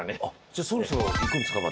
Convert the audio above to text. じゃあそろそろ行くんですか？